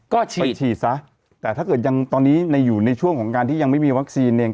ก็ฉีดฉีดซะแต่ถ้าเกิดยังตอนนี้อยู่ในช่วงของการที่ยังไม่มีวัคซีนเนี่ย